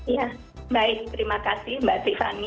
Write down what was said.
ya baik terima kasih mbak tiffany